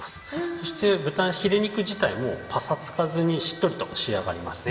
そして豚ヒレ肉自体もぱさつかずにしっとりと仕上がりますね。